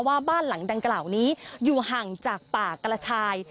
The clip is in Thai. ว่าบ้านหลังดังกล่าวนี้อยู่ห่างจากป่ากระชาย